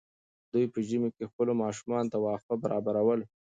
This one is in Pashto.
دوی په ژمي کې خپلو مالونو ته واښه برابرول.